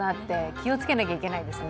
気をつけなきゃいけないですね。